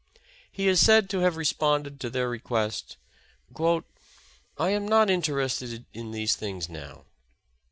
He is said to have responded to their request : ''I am not interested in these things now.